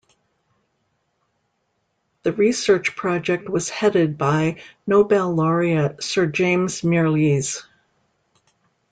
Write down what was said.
The research project was headed by Nobel laureate Sir James Mirrlees.